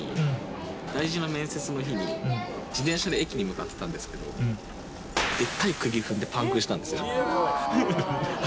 自転車で駅に向かってたんですけどでっかい釘を踏んでパンクしたんですよ。